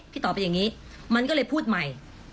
ตอบเป็นอย่างนี้มันก็เลยพูดใหม่